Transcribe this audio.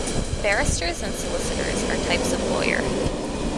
Barristers and solicitors are types of lawyer